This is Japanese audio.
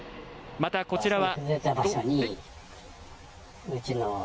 またこちらは。